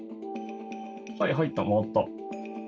はい入った回った。